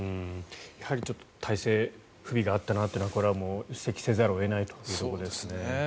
やはり体制に不備があったなというのはこれはもう、指摘せざるを得ないというところですね。